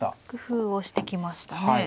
工夫をしてきましたね。